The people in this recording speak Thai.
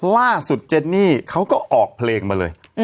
เจนนี่เขาก็ออกเพลงมาเลย